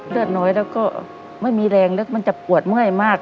เลือดน้อยแล้วก็ไม่มีแรงลึกมันจะปวดเมื่อยมาก